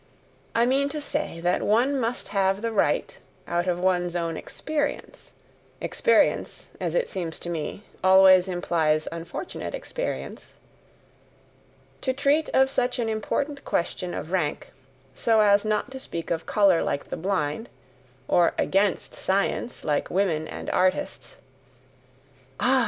I mean to say that one must have the right out of one's own EXPERIENCE experience, as it seems to me, always implies unfortunate experience? to treat of such an important question of rank, so as not to speak of colour like the blind, or AGAINST science like women and artists ("Ah!